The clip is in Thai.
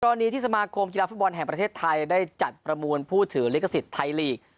รณีที่สมาคมกีฬาฟุตบอลแห่งประเทศไทยได้จัดประมูลผู้ถือลิขสิทธิ์ไทยลีก